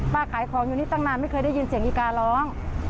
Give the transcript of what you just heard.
ขายของอยู่นี่ตั้งนานไม่เคยได้ยินเสียงอีการ้อง